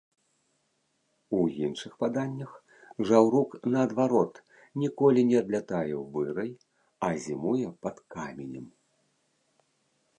У іншых паданнях жаўрук, наадварот, ніколі не адлятае ў вырай, а зімуе пад каменем.